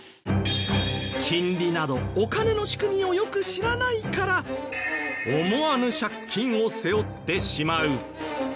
金利などお金の仕組みをよく知らないから思わぬ借金を背負ってしまう。